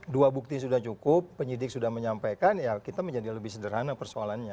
dua bukti sudah cukup penyidik sudah menyampaikan ya kita menjadi lebih sederhana persoalannya